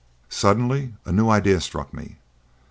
Suddenly a new idea struck me.